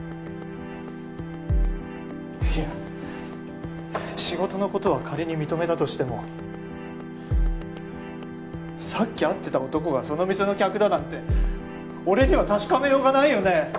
いや仕事のことは仮に認めたとしてもさっき会ってた男がその店の客だなんて俺には確かめようがないよね！